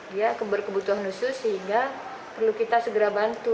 dia berkebutuhan khusus sehingga perlu kita segera bantu